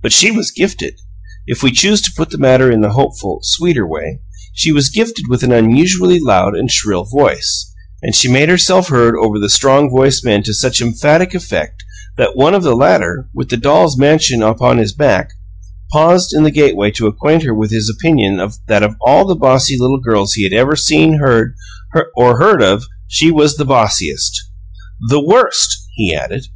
But she was gifted if we choose to put the matter in the hopeful, sweeter way she was gifted with an unusually loud and shrill voice, and she made herself heard over the strong voiced men to such emphatic effect that one of the latter, with the dolls' mansion upon his back, paused in the gateway to acquaint her with his opinion that of all the bossy little girls he had ever seen, heard, or heard of, she was the bossiest. "THE worst!" he added.